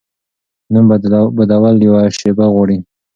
نوم بدول یوه شیبه غواړي.